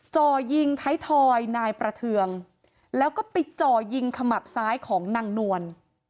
จ่อยิงท้ายทอยนายประเทืองแล้วก็ไปจ่อยิงขมับซ้ายของนางนวล